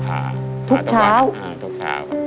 พาทุกวันนะครับทุกเช้าครับอ่าทุกเช้า